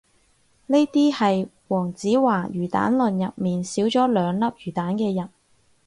嗰啲係黃子華魚蛋論入面少咗兩粒魚蛋嘅人